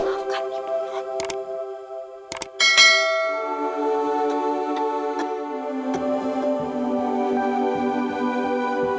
maafkan ibu non